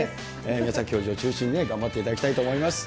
皆さん、教授を中心に頑張っていただきたいと思います。